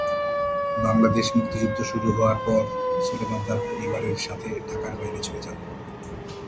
বাংলাদেশ মুক্তিযুদ্ধ শুরু হওয়ার পর, সুলেমান তার পরিবারের সাথে ঢাকার বাইরে চলে যান।